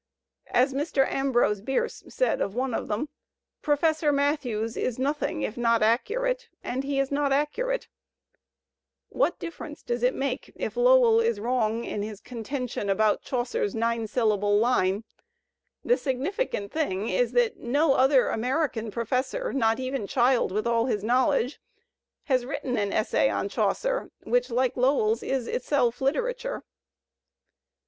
As Mr. t \ Ambrose Bierce said of one of them, "Professor Matthews ' 1 is nothing if not acciurate, and he is not accurate." What difference does it make if Lowell is wrong in his contention Digitized by Google LOWELL 205 about Chaucer's nine syllable line? The significant thing is that no other American professor, not even Child with all his knowledge, has written an essay on Chaucer which like Lowell's is itself literature.